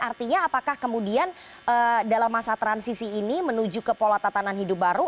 artinya apakah kemudian dalam masa transisi ini menuju ke pola tatanan hidup baru